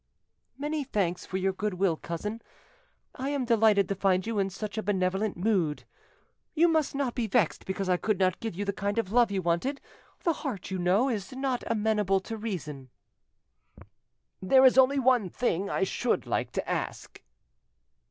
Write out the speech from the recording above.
"Many thanks for your goodwill, cousin; I am delighted to find you in such a benevolent mood. You must not be vexed because I could not give you the kind of love you wanted; the heart, you know, is not amenable to reason." "There is only one thing I should like to ask."